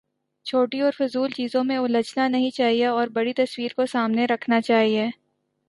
چھوٹی اور فضول چیزوں میں الجھنا نہیں چاہیے اور بڑی تصویر کو سامنے رکھنا چاہیے۔